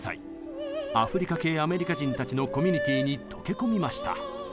アフリカ系アメリカ人たちのコミュニティーに溶け込みました。